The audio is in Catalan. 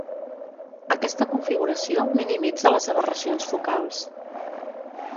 Aquesta configuració minimitza les aberracions focals.